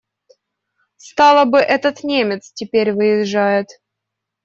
Стало быть, этот немец теперь выезжает.